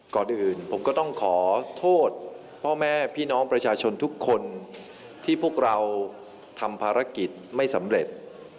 ก่อนอื่นผมก็ต้องขอโทษพ่อแม่พี่น้องประชาชนทุกคนที่พวกเราทำภารกิจไม่สำเร็จ